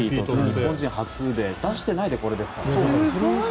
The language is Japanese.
日本人初でね、それを出してないで、これですからね。